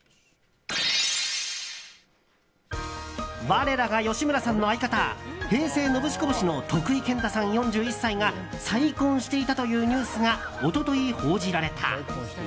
我らが吉村さんの相方平成ノブシコブシの徳井健太さん、４１歳が再婚していたというニュースが一昨日、報じられた。